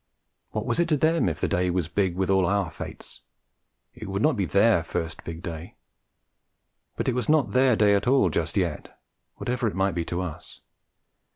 What was it to them if the day was big with all our fates! It would not be their first big day; but it was not their day at all just yet, whatever it might be to us.